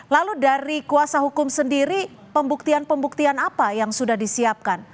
lalu dari kuasa hukum sendiri pembuktian pembuktian apa yang sudah disiapkan